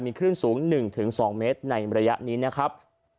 มีคลื่นสูง๑๒เมตรในระยะนี้นะครับ